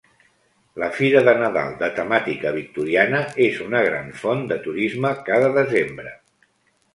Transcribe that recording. La Fira de Nadal de temàtica Victoriana és una gran font de turisme cada desembre.